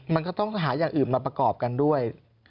มันก็ต้องหาอย่างอื่นมาประกอบกันด้วย